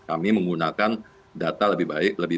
kami menggunakan data lebih baik lebih